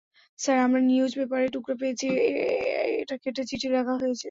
Sir, আমরা নিউজপেপারের টুকরা পেয়েছি, এটা কেটে চিঠি লেখা হয়েছে।